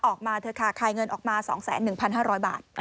ออกมาเถอะค่ะคลายเงินออกมาสองแสนหนึ่งพันห้าร้อยบาท